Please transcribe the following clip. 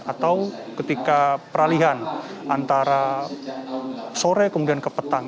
atau ketika peralihan antara sore kemudian ke petang